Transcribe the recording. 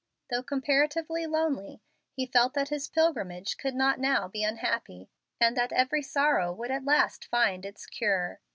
Though comparatively lonely, he felt that his pilgrimage could not now be unhappy, and that every sorrow would at last find its cure.